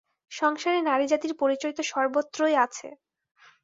সংসারে নারীজাতির পরিচয় তো সর্বত্রই আছে।